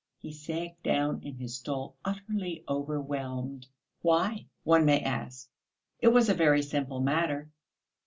He sank down in his stall utterly overwhelmed. Why? one may ask. It was a very simple matter....